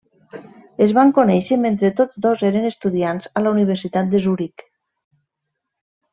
Es van conèixer mentre tots dos eren estudiants de la Universitat de Zuric.